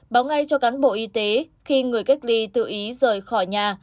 báo ngay cho cán bộ y tế khi người cách ly tự ý rời khỏi nhà